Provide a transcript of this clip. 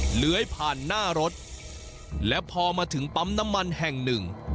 เหลือยผ่านหน้ารถและพอมาถึงปั๊มน้ำมันแห่งหนึ่ง